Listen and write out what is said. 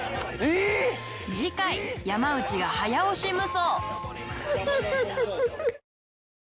次回山内が早押し無双